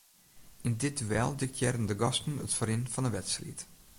Yn dit duel diktearren de gasten it ferrin fan 'e wedstriid.